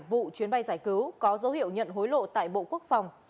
vụ chuyến bay giải cứu có dấu hiệu nhận hối lộ tại bộ quốc phòng